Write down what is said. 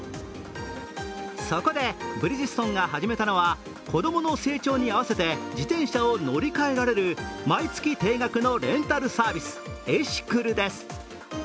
そこでブリヂストンが始めたのは子供の成長に合わせて自転車を乗り換えられる、毎月定額のレンタルサービス、エシクルです。